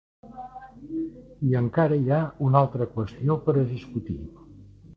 I encara hi ha una altra qüestió per a discutir.